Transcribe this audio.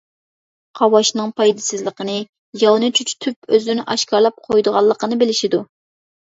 قاۋاشنىڭ پايدىسىزلىقىنى، ياۋنى چۆچۈتۈپ، ئۆزلىرىنى ئاشكارىلاپ قويىدىغانلىقىنى بىلىشىدۇ.